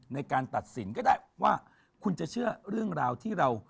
ในการตัดสินก็ได้ว่าคุณจะเชื่อเรื่องราวที่เรา